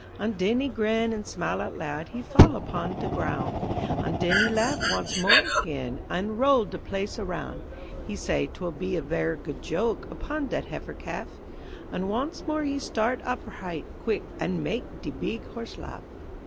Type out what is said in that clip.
An' den he grin an' smile out loud, He fall opon de groun', An' den he laugh wance mor' again An' roll de place aroun': He say, 'twill be a ver' good joke Opon dat heifer calf, An' wance mor' he start op h'right quick An' mak' de beeg horse laugh.